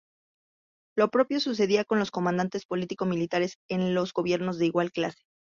Lo propio sucedía con los comandantes político-militares en los gobiernos de igual clase.